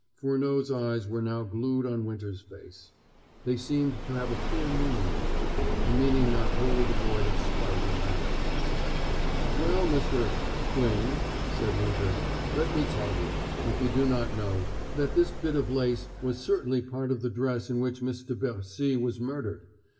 Furneaux's eyes were now glued on Winter's face. They seemed to have a queer meaning in them, a meaning not wholly devoid of spite and malice. "Well, Mr. Glyn," said Winter, "let me tell you, if you do not know, that this bit of lace was certainly part of the dress in which Miss de Bercy was murdered.